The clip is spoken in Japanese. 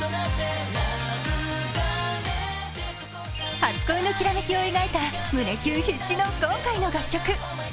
初恋のきらめきを描いた胸キュン必至の今回の楽曲。